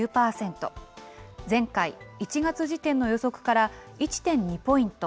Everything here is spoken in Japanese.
前回・１月時点の予測から１．２ポイント